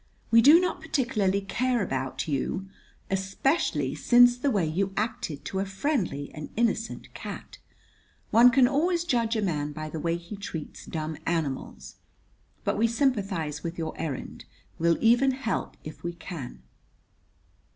"We do not particularly care about you, especially since the way you acted to a friendly and innocent cat one can always judge a man by the way he treats dumb animals; but we sympathize with your errand. We'll even help if we can."